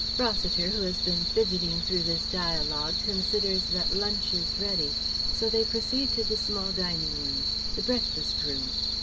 Rossiter who has been fidgeting through this dialogue considers that lunch is ready, so they proceed to the small dining room, "the breakfast room."